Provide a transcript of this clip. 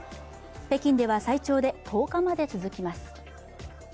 北京では最長で１０日まで続きます。